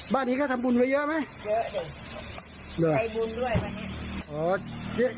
บ้านนี้ก็ทำบุญไว้เยอะไหมเยอะดิให้บุญด้วยบ้านนี้